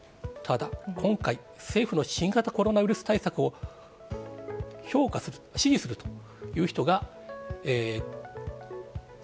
ただ今回、政府の新型コロナウイルス対策を評価する、支持するという人が、５４．２％。